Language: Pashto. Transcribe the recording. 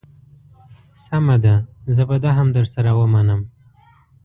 سمه ده زه به دا هم در سره ومنم.